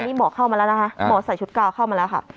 นี่หมอเข้ามาแล้วนะคะหมอใส่ชุดกาวเข้ามาแล้วค่ะ